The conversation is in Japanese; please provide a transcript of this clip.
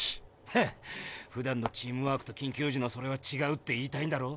ヘッ！ふだんのチームワークと緊急時のそれはちがうって言いたいんだろ？